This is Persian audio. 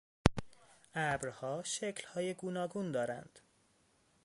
ابرها شکلهای گوناگون دارند.